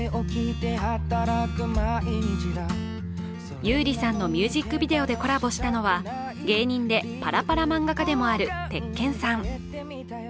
優里さんのミュージックビデオでコラボしたのは芸人でパラパラ漫画家でもある鉄拳さん。